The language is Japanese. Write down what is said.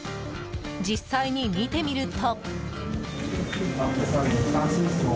実際に見てみると。